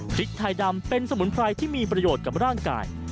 พริกไทยดำเป็นสมุนไพรที่มีประโยชน์กับร่างกาย